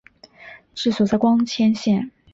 治所在光迁县。